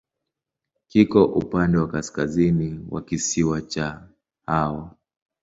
Kiko upande wa kaskazini wa kisiwa cha Hao.